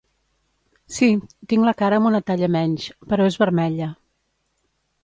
Sí, tinc la cara amb una talla menys, però és vermella.